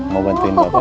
mau bantuin bapak